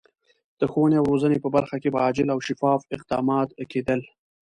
د ښوونې او روزنې په برخه کې به عاجل او شفاف اقدامات کېدل.